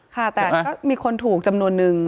ค่ะแต่ก็มีคนถูกจำนวนนึง